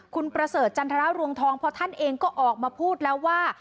คุณประเสริฐจันทรรวงทองเพราะท่านเองก็ออกมาพูดแล้วว่า